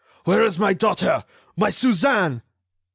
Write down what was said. "Where is my daughter—my Suzanne?"